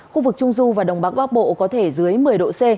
khu vực trung du và đồng bắc bộ có thể dưới một mươi độ c